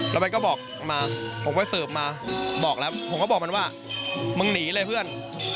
แล้วมันก็บอกมาผมก็สืบมาบอกแล้วผมก็บอกมันว่ามึงหนีเลยเพื่อน